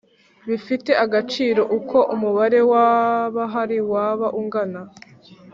Bifite agaciro uko umubare w abahari waba ungana